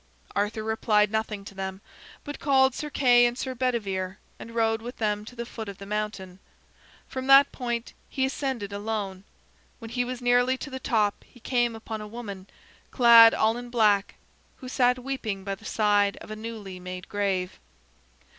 Arthur replied nothing to them, but called Sir Kay and Sir Bedivere, and rode with them to the foot of the mountain. From that point he ascended alone. When he was nearly to the top he came upon a woman, clad all in black, who sat weeping by the side of a newly made grave.